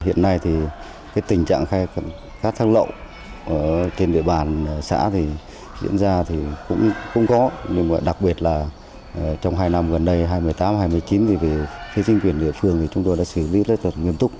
hiện nay thì cái tình trạng khai thác lậu trên địa bàn xã thì diễn ra thì cũng không có nhưng mà đặc biệt là trong hai năm gần đây hai nghìn một mươi tám hai nghìn một mươi chín thì về phía chính quyền địa phương thì chúng tôi đã xử lý rất là nghiêm túc